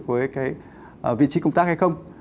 với cái vị trí công tác hay không